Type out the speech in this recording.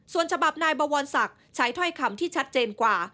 ส่วนฉบับนายบวรศักดิ์ใช้ถ้อยคำที่ชัดเจนกว่า